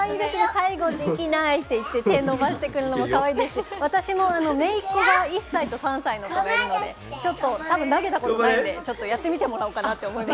最後、できないって言って、手を伸ばしてくるのもかわいいですし、私も姪っ子が１歳と３歳の子がいるので、ちょっとたぶん投げたことないので、やってみてもらおうかなと思います。